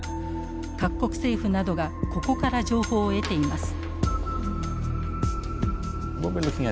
各国政府などがここから情報を得ています。